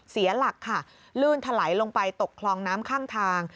เสียหลักค่ะลื่นถลายลงไปตกคลองน้ำข้างทาง